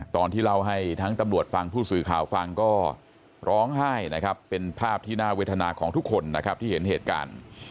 ตอนที่เล่าให้ทั้งตำรวจฟังผู้สื่อข่าวฟังก็ร้องไห้นะครับเป็นภาพที่น่าเวทนาของทุกคนนะครับที่เห็นเหตุการณ์